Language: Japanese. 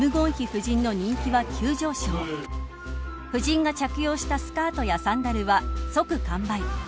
夫人が着用したスカートやサンダルは即完売。